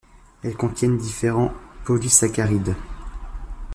Elles contiennent différents polysaccharides.